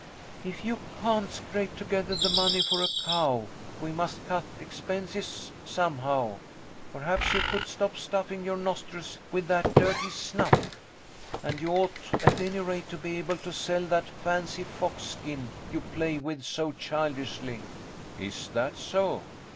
If you can't scrape together the money for a cow, we must cut expenses somehow. Perhaps you could stop stuffing your nostrils with that dirty snuff? And you ought at any rate to be able to sell that fancy fox skin you play with so childishly. Is that so!